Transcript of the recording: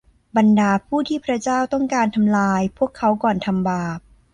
บรรดาผู้ที่พระเจ้าต้องการทำลายพวกเขาก่อนทำบาป